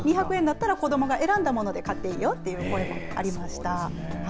２００円だったら子どもが選んだもので買っていいよという声もありました。